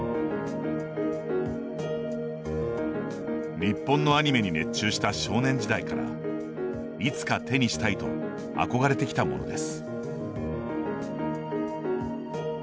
日本のアニメに熱中した少年時代からいつか手にしたいと憧れてきたものです。